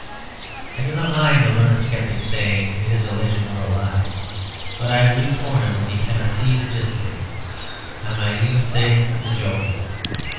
I do not mind the learned sceptic saying it is a legend or a lie; but I weep for him when he cannot see the gist of it, I might even say the joke of it.